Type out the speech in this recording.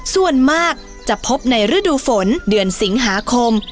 ส่วนมากจะพบในฤดูฝนเดือนสิงหาคม